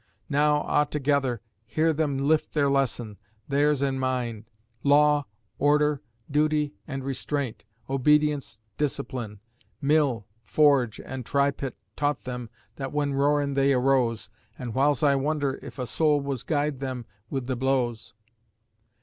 Now, a' together, hear them lift their lesson theirs an' mine: "Law, Order, Duty an' Restraint, Obedience, Discipline!" Mill, forge an' try pit taught them that when roarin' they arose, An' whiles I wonder if a soul was gied them wi' the blows.